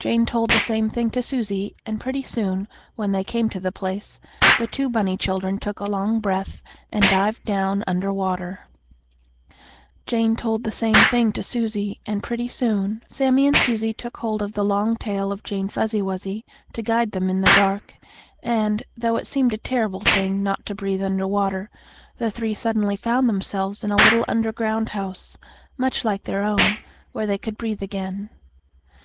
Jane told the same thing to Susie, and, pretty soon, when they came to the place, the two bunny children took a long breath, and dived down under water. Sammie and Susie took hold of the long tail of Jane Fuzzy Wuzzy to guide them in the dark, and, though it seemed a terrible thing not to breathe under water, the three suddenly found themselves in a little underground house, much like their own, where they could breathe again.